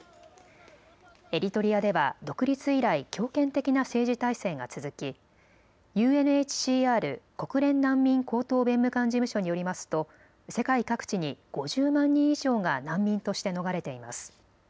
エリトリアでは独立以来、強権的な政治体制が続きＵＮＨＣＲ・国連難民高等弁務官事務所によりますと世界各地に５０万人以上が難民として逃れています。